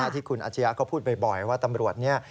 ที่คุณอาชญาเขาพูดบ่อยว่าตำรวจนี้